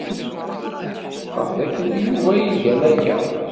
Tḥeqqeɣ dakken d Yuba ay igan aya.